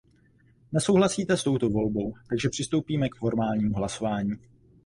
Nesouhlasíte s touto volbou, takže přistoupíme k formálnímu hlasování.